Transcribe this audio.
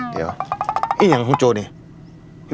เฮ่ยอย่างของโจนเนี่ย